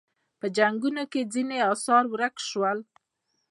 په جنګونو کې ځینې اثار ورک شول